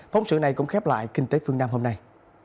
phóng sự này cũng khép lại kinh tế phương nam hôm nay